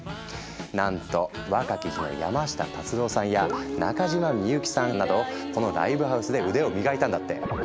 なんと若き日の山下達郎さんや中島みゆきさんなどこのライブハウスで腕を磨いたんだって。